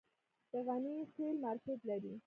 د غني خیل مارکیټ لري